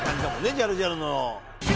ジャルジャルの。